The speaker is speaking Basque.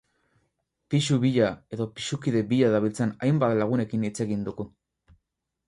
Pisu bila edo pisukide bila dabiltzan hainbat lagunekin hitz egin dugu.